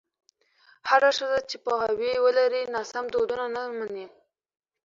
هره ښځه چې پوهاوی ولري، ناسم دودونه نه مني.